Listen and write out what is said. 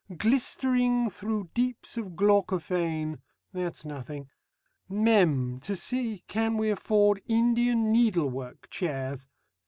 "Glistering thro' deeps of glaucophane" that's nothing. Mem. to see can we afford Indian needlework chairs 57s.